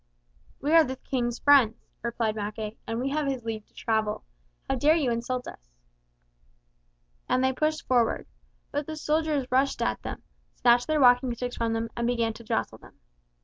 "We are the King's friends," replied Mackay, "and we have his leave to travel. How dare you insult us?" And they pushed forward. But the soldiers rushed at them; snatched their walking sticks from them and began to jostle them.